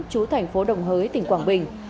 chú thành phố đồng hới tỉnh quảng bình